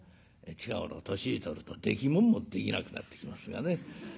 近頃年取るとできもんもできなくなってきますがね。